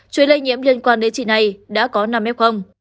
chuỗi lây nhiễm liên quan đến chị này đã có năm f